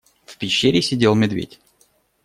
В пещере сидел медведь.